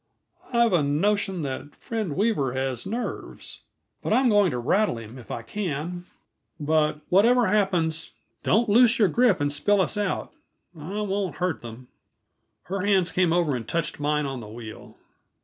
"I've a notion that friend Weaver has nerves. I'm going to rattle him, if I can; but whatever happens, don't loose your grip and spill us out. I won't hurt them." Her hands came over and touched mine on the wheel.